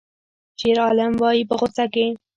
شیرعالم وایی په غوسه کې